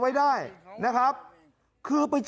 ทำไมคงคืนเขาว่าทำไมคงคืนเขาว่า